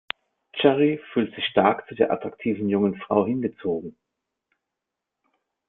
Jerry fühlt sich stark zu der attraktiven jungen Frau hingezogen.